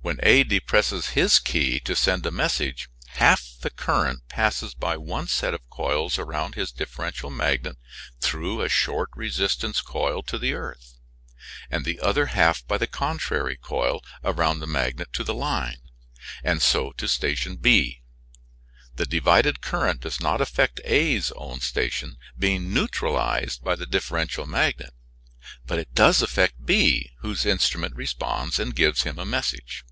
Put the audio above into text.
When A depresses his key to send a message, half the current passes by one set of coils around his differential magnet through a short resistance coil to the earth, and the other half by the contrary coil around the magnet to the line, and so to Station B. The divided current does not affect A's own station, being neutralized by the differential magnet, but it does affect B, whose instrument responds and gives him the message.